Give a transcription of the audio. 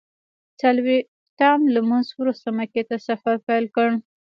څلویښتم لمونځ وروسته مکې ته سفر پیل کړ.